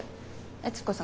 悦子さん